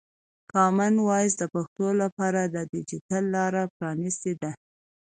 کامن وایس د پښتو لپاره د ډیجیټل لاره پرانستې ده.